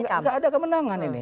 enggak ada kemenangan ini